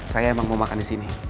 saya emang mau makan di sini